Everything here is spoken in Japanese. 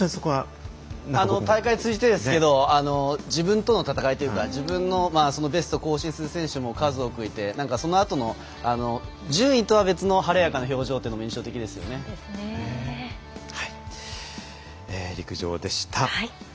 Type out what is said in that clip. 大会通じてですけど自分との戦いというか自分のベスト更新する選手も数多くいてそのあとの順位とは別の晴れやかな表情も陸上でした。